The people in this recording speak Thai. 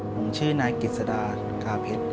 ผมชื่อนายกิจสดาคาเพชร